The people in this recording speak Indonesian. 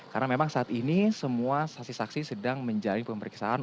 karena memang saat ini semua saksi saksi sedang menjalankan perkembangan